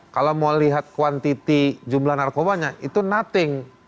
kalau mau lihat kuantiti jumlah narkobanya itu nothing